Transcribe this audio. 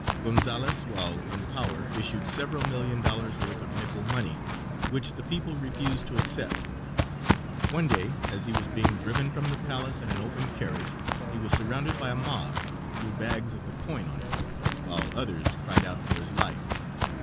Gonzales while in power issued several million dollars' worth of nickel money, which the people refused to accept. One day, as he was being driven from the palace in an open carriage, he was surrounded by a mob who threw bags of the coin on him, while others cried out for his life.